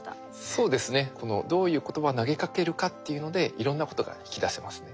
そうですねどういう言葉を投げかけるかっていうのでいろんなことが引き出せますね。